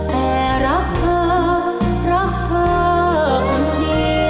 แต่รักเธอรักเธอคนดี